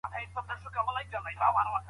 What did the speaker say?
د رایې ورکولو حق د پیړیو مبارزې پایله ده.